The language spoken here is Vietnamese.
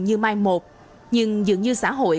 như mai một nhưng dường như xã hội